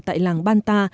tại làng banta